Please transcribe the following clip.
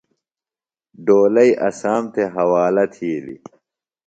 ڈولئی اسام تھےۡ حوالہ تھیلیۡ۔